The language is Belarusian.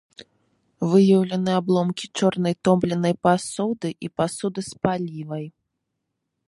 Выяўлены абломкі чорнай томленай пасуды і пасуды з палівай.